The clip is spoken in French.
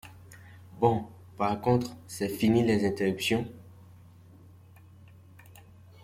Bon, par contre, c’est fini les interruptions ?